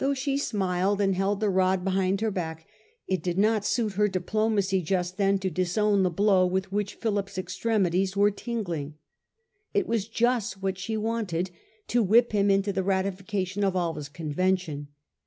IV CRUSADER OR PIRATED 49 she smiled and held the rod behind her back, it did not suit her diplomacy just then to disown the blow with which Philip's extremities were tingling. It was just what she wanted, to whip him into the ratification of Alva's convention.